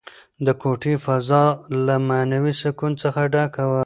د کوټې فضا له معنوي سکون څخه ډکه وه.